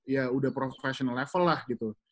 ya udah professional level lah gitu